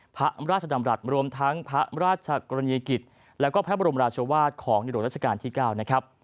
พระราชดำรัฐรวมทั้งพระราชกรณียกิจแล้วก็พระบรมราชวาสของในหลวงราชการที่๙นะครับ